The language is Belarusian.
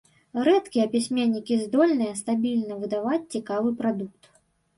Рэдкія пісьменнікі здольныя стабільна выдаваць цікавы прадукт.